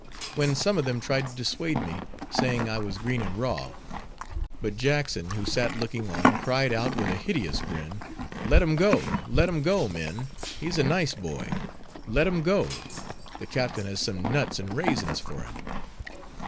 When some of them tried to dissuade me, saying I was green and raw; but Jackson, who sat looking on, cried out, with a hideous grin, "Let him go, let him go, men—he's a nice boy. Let him go; the captain has some nuts and raisins for him."